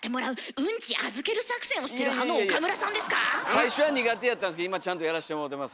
最初は苦手やったんですけど今ちゃんとやらしてもろてます。